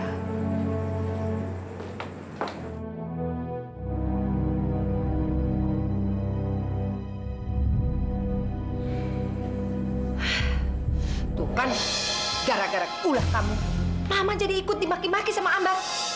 itu kan gara gara kulah kamu mama jadi ikut dimaki maki sama ambar